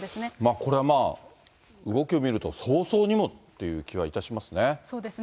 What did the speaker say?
これまあ、動きを見ると早々にもっていう気はいたしますね。